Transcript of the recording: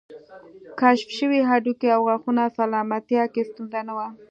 کشف شوي هډوکي او غاښونه سلامتیا کې ستونزه نه وه